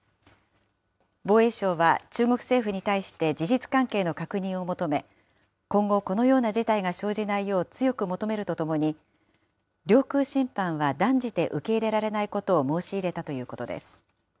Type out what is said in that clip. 防衛省は中国政府に対して事実関係の確認を求め、今後、このような事態が生じないよう強く求めるとともに、領空侵犯は断じて受け入れられないことを申し入れたということです。